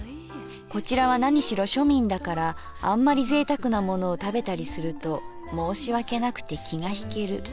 こちらは何しろ庶民だからあんまりぜいたくなものを食べたりすると申し訳なくて気がひける。